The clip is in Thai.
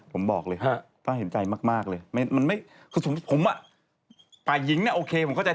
ผมบอกเลยป้าเห็นใจมากเลยมันไม่คือผมอ่ะฝ่ายหญิงเนี่ยโอเคผมเข้าใจ